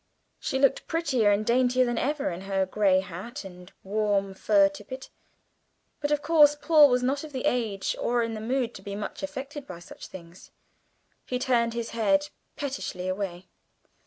She looked prettier and daintier than ever in her grey hat and warm fur tippet; but of course Paul was not of the age or in the mood to be much affected by such things he turned his head pettishly away.